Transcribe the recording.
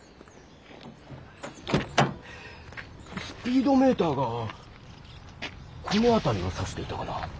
スピードメーターがこのあたりをさしていたかな。